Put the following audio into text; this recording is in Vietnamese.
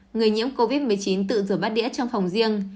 người nhiễm covid một mươi chín tự rửa bát đĩa trong phòng riêng